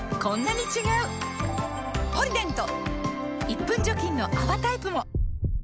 １分除菌の泡タイプも！